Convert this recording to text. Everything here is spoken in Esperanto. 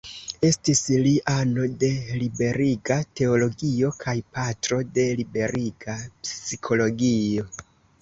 Estis li ano de Liberiga Teologio kaj patro de Liberiga Psikologio.